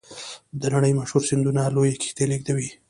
د نړۍ مشهورې سیندونه لویې کښتۍ لیږدوي.